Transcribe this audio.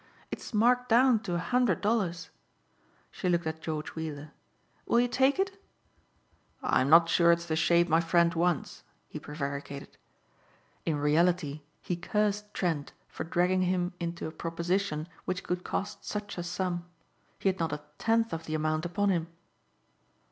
It's marked down to a hundred dollars." She looked at George Weiller, "Will you take it?" "I'm not sure it's the shade my friend wants," he prevaricated. In reality he cursed Trent for dragging him into a proposition which could cost such a sum. He had not a tenth of the amount upon him.